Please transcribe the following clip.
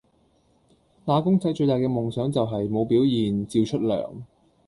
打工仔最大噶夢想就係，冇表現，照出糧